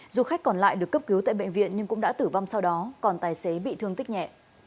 du khách còn lại được cấp cứu tại bệnh viện nhưng cũng đã tử vong sau đó còn tài xế bị thương tích nhẹ